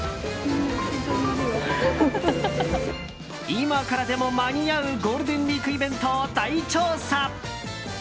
今からでも間に合うゴールデンウィークイベントを大調査。